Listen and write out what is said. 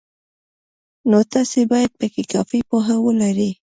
نو تاسې باید پکې کافي پوهه ولرئ.